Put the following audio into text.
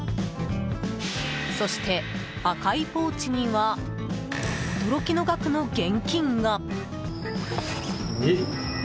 そして、赤いポーチには驚きの額の現金が！